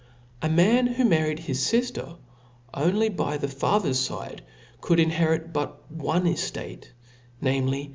A man who married his fifter only by the ' father's fide, could inherit but one eftate, namely